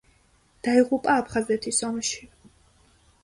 დაიღუპა აფხაზეთის ომში.